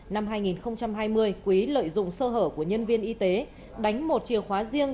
năm hai nghìn hai mươi quý lợi dụng sơ hở của nhân viên y tế đánh một chìa khóa riêng